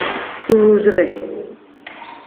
Duvuuzire.